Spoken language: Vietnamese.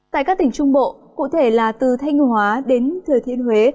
tại các tỉnh trung bộ cụ thể là từ thanh hóa đến thừa thiên huế